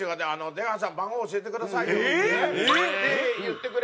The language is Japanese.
「出川さん番号教えてくださいよ」って言ってくれて。